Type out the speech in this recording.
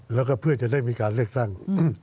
แล้วก็เพื่อจะได้มีการเรศตางค์